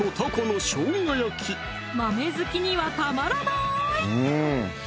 豆好きにはたまらない！